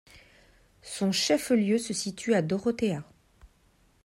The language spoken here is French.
Son chef-lieu se situe à Dorotea.